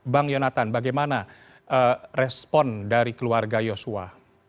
bang yonatan bagaimana respon dari keluarga yosua